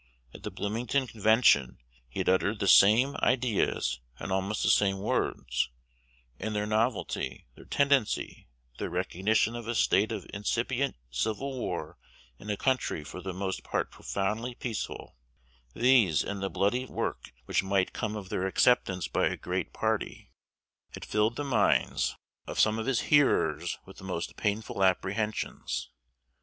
At the Bloomington Convention he had uttered the same ideas in almost the same words; and their novelty, their tendency, their recognition of a state of incipient civil war in a country for the most part profoundly peaceful, these, and the bloody work which might come of their acceptance by a great party, had filled the minds of some of his hearers with the most painful apprehensions.